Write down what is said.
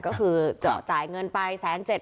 ก็คือจะจ่ายเงินไปแสนเจ็ด